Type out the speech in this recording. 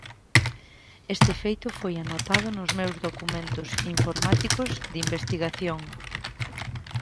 Este feito foi anotado nos meus documentos informáticos de investigación.